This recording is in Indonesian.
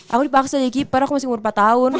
aku dipaksa ya keeper aku masih umur empat tahun